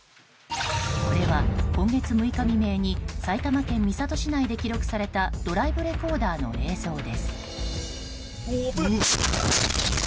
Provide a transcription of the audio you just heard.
これは今月６日未明に埼玉県三郷市内で記録されたドライブレコーダーの映像です。